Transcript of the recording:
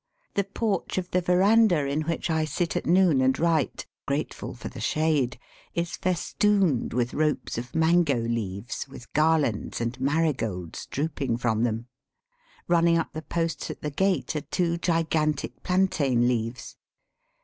The porch of the veran dah in which I sit at noon and write, grateful for the shade, is festooned with ropes of mango leaves with garlands and marigolds drooping from them. Running up the posts at the gate are two gigantic plantain leaves.